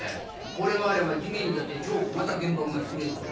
これがあれば次元にだって超小型原爆が造れるぞ。